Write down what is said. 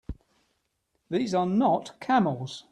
These are not camels!